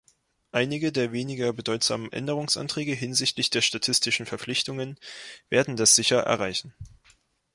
Einige der weniger bedeutsamen Änderungsanträge hinsichtlich der statistischen Verpflichtungen werden das sicher erreichen.